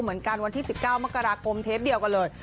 เหมือนกันวันที่๑๙มกรากมเทปเดียวกันเลย